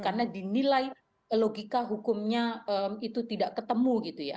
karena dinilai logika hukumnya itu tidak ketemu gitu ya